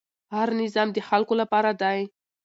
هر نظام د خلکو لپاره دی